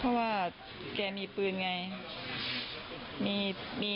เพราะว่าแกมีปืนไง